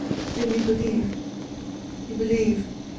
Then you believe ... you believe...."